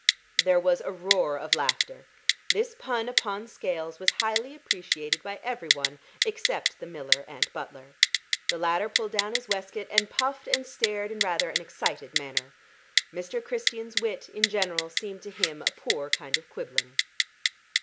There was a roar of laughter. This pun upon Scales was highly appreciated by every one except the miller and butler. The latter pulled down his waistcoat, and puffed and stared in rather an excited manner. Mr. Christian's wit, in general, seemed to him a poor kind of quibbling.